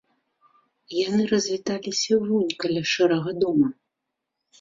Яны развіталіся вунь каля шэрага дома.